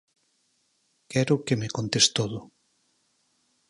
_Quero que me contes todo.